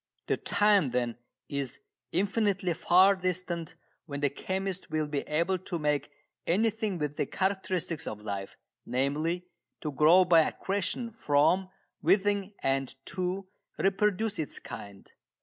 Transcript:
The time, then, is infinitely far distant when the chemist will be able to make anything with the characteristics of life namely, to grow by accretion from within and to reproduce its kind.